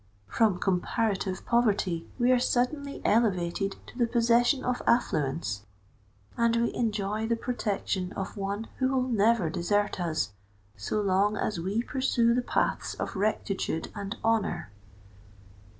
From comparative poverty we are suddenly elevated to the possession of affluence; and we enjoy the protection of one who will never desert us, so long as we pursue the paths of rectitude and honour!"